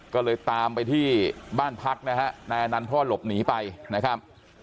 ก็เลยตามไปที่บ้านพักนะฮะนายอนันต์พ่อหลบหนีไปนะครับ